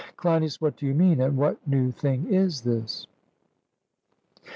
CLEINIAS: What do you mean, and what new thing is this?